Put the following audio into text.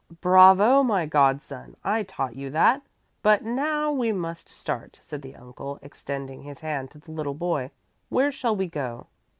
"Bravo, my god son! I taught you that, but now we must start," said the uncle, extending his hand to the little boy. "Where shall we go?"